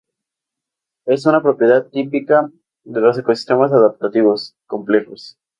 Esta es una propiedad típica de los sistemas adaptativos complejos.